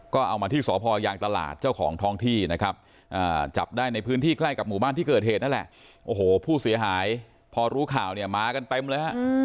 เขาได้เงินข่าวเมื่อวานนี่แหละ